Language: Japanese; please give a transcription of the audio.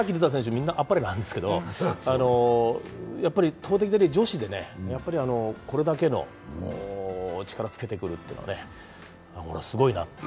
みんなあっぱれなんですけど、投てきで女子でこれだけの力をつけてくるというのはすごいなと。